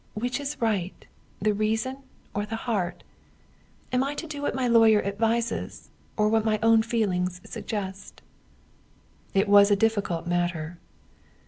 Which is right, the reason or the heart? Am I to do what my lawyer advises, or what my own feelings suggest?" It was a difficult matter.